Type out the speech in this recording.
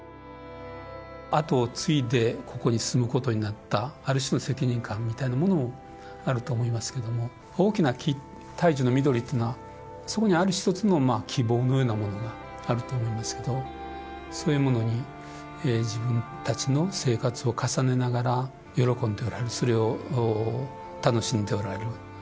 あとを継いでここに住むことになったある種の責任感みたいなものもあると思いますけども大きな木大樹の緑っていうのはそこにある一つの希望のようなものがあると思いますけどそういうものに自分たちの生活を重ねながら喜んでおられそれを楽しんでおられる。